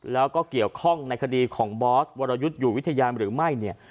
แล้วก็เกี่ยวข้องในคดีของบอสวรยุทธ์อยู่วิทยาหรือไม่เนี่ย